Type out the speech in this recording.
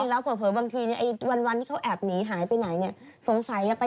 วันเกิดไม่มีของขวาญวันครบรอบไม่มีของขวาญ